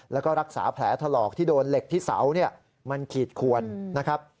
แล้วก็รักษาแผลถลอกที่โดนเหล็กที่เสาเนี่ยมันขีดขวนนะครับ